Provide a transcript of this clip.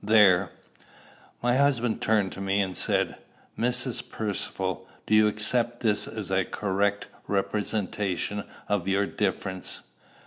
There!" My husband turned to me and said, "Mrs. Percivale, do you accept this as a correct representation of your difference?"